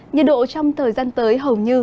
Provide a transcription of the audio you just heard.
nhiệt độ trong thời gian tới hầu như